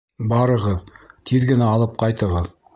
Барығыҙ, тиҙ генә алып ҡайтығыҙ!